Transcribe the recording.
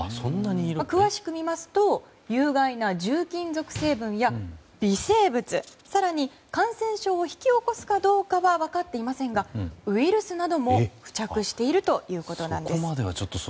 詳しく見ますと有害な重金属成分や微生物、更に感染症を引き起こすかどうかは分かっていませんがウイルスなども付着しているということです。